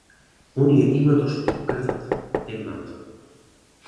Оние името што ти го грдат, темнат.